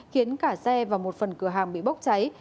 khiến cả xe và một phần cửa hàng bị bốc cháy